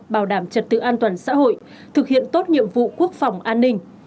bảo đảm trật tự an toàn xã hội thực hiện tốt nhiệm vụ quốc phòng an ninh